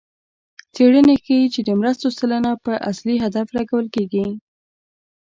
څېړنې ښيي چې د مرستو سلنه په اصلي هدف لګول کېږي.